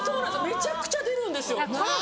めちゃくちゃ出るんですよ。